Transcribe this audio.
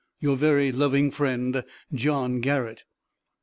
Your very loving friend, John Garrett."